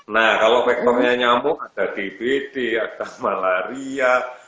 nah kalau faktornya nyamuk ada dbd ada malaria